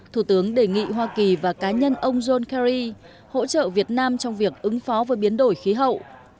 thủ tướng đề nghị hoa kỳ và cá nhân ông john kerry hỗ trợ việt nam trong việc ứng phó với biến đổi khí hậu